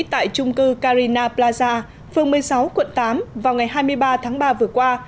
tại trung cư carina plaza phường một mươi sáu quận tám vào ngày hai mươi ba tháng ba vừa qua